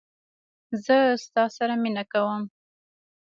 زه ستا سره مینه کوم